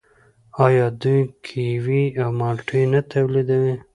آیا دوی کیوي او مالټې نه تولیدوي؟